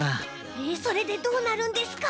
えそれでどうなるんですか？